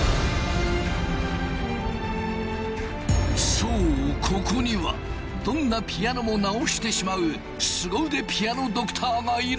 そうここにはどんなピアノも直してしまうすご腕ピアノドクターがいる。